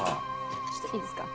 ちょっといいですか？